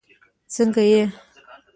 سنګه یی